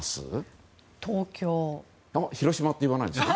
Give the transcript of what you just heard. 広島って言わないんですか？